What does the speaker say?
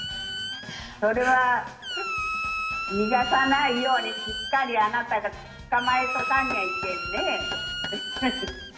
それは逃がさないようにしっかりあなたが捕まえとかにゃいけんね。